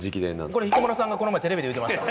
これ彦摩呂さんがこの前テレビで言うてました。